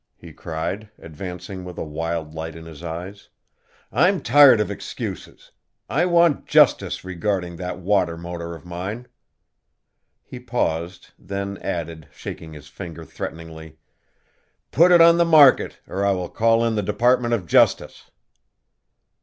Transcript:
he cried, advancing with a wild light in his eyes. "I'm tired of excuses. I want justice regarding that water motor of mine." He paused, then added, shaking his finger threateningly, "Put it on the market or I will call in the Department of Justice!"